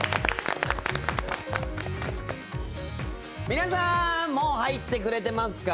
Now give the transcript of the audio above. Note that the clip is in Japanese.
皆さんもう入ってくれてますか？